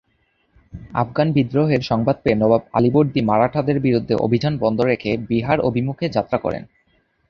আফগান বিদ্রোহের সংবাদ পেয়ে নবাব আলীবর্দী মারাঠাদের বিরুদ্ধে অভিযান বন্ধ রেখে বিহার অভিমুখে যাত্রা করেন।